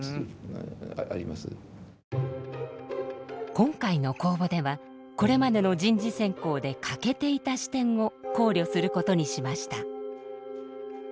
今回の公募ではこれまでの人事選考で欠けていた視点を考慮することにしました。